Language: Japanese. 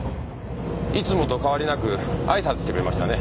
いつもと変わりなくあいさつしてくれましたね。